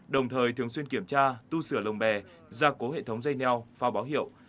đồng thời thường xuyên kiểm tra tu sửa lồng bè gia cố hệ thống dây neo phao báo hiệu